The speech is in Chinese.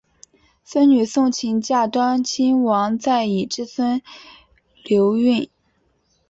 孙女诵琴嫁端亲王载漪之孙毓运。